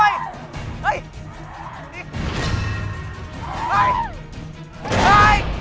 โอ๊ยช่วยด้วย